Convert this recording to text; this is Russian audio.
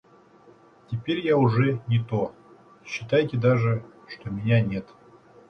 Теперь я уже не то, считайте даже, что меня нет.